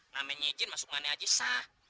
namanya jin masuk mana aja